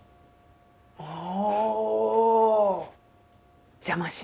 ああ！